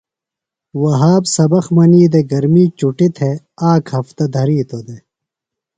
وھاب سبق منی دےۡ۔ گرمی چُٹیۡ تھےۡ آک ہفتہ دھرِیتوۡ دےۡ۔